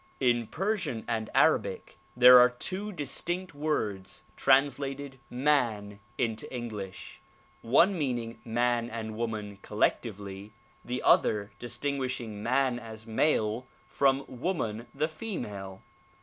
In Persian and Arabic there are two distinct words translated "man" into English; one meaning man and woman colleetively, the other distingnisliino man as male from woman the female.